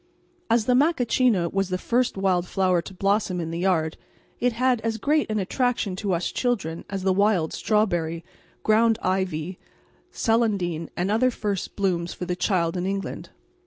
As the macachina was the first wild flower to blossom in the land it had as great an attraction to us children as the wild strawberry, ground ivy, celandine, and other first blooms for the child in England.